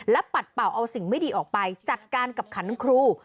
ปัดเป่าเอาสิ่งไม่ดีออกไปจัดการกับขันครู